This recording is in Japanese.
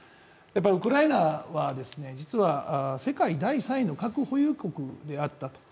ウクライナは実は世界第３位の核保有国であったと。